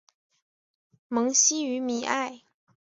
蒙希于米埃。